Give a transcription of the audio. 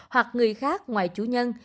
hoặc người khác ngoài chủ nhân